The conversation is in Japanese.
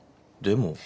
でも。